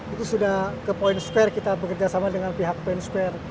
itu sudah ke point square kita bekerjasama dengan pihak point square